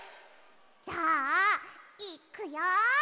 じゃあいっくよ！